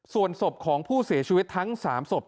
ส่วนศพของผู้เสียชีวิตทั้ง๓ศพ